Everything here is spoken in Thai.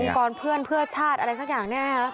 องค์กรเพื่อนเพื่อชาติอะไรสักอย่างนี่ไหมครับ